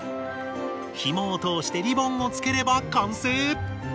ひもを通してリボンを付ければ完成！